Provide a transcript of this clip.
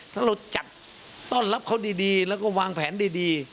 ถ้าเราจัดต้อนรับเขาดีแล้วก็วางแผนดี